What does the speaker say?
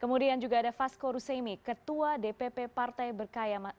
kemudian juga ada vasco rusemi ketua dpp partai berkaya